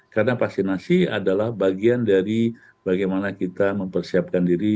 karena vaksinasi adalah bagian dari bagaimana kita mempersiapkan diri